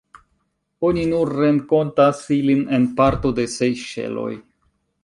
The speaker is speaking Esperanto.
Oni nur renkontas ilin en parto de la Sejŝeloj.